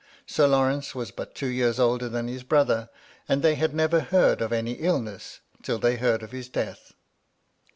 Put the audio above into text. Sir Lawrence was but two years older than his brother ; and they had never heard of any illness till they heard of his death.